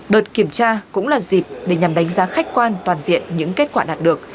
đợt kiểm tra cũng là dịp để nhằm đánh giá khách quan toàn diện những kết quả đạt được